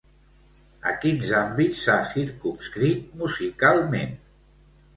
A quins àmbits s'ha circumscrit musicalment?